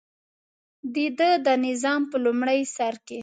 دده د نظام په لومړي سر کې.